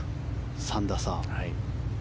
３打差。